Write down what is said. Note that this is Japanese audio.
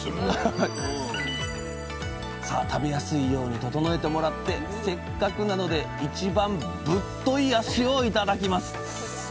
さあ食べやすいように整えてもらってせっかくなので一番ぶっとい脚をいただきます！